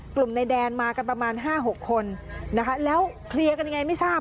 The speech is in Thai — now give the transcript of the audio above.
กลุ่มในแดนมากันประมาณ๕๖คนนะคะแล้วเคลียร์กันยังไงไม่ทราบ